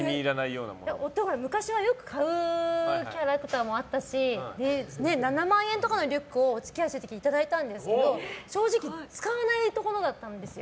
夫が昔はよく買うキャラクターもあったし７万円とかのリュックをお付き合いしている時にいただいたんですけど正直、使わないところのだったんですよ。